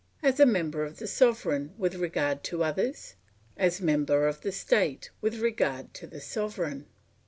as a member of the sovereign with regard to others, as member of the state with regard to the sovereign.